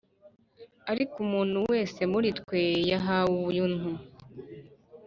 Ariko umuntu wese muri twe yahawe ubuntu